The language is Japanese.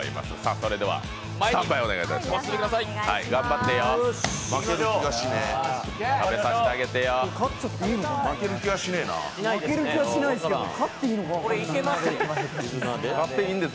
それではスタンバイをお願いします。